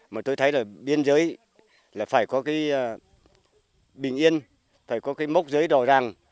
mà tôi thấy là biên giới là phải có cái bình yên phải có cái mốc giới đòi ràng